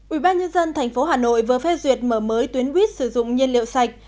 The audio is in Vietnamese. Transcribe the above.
ubnd tp hà nội vừa phê duyệt mở mới tuyến buýt sử dụng nhiên liệu sạch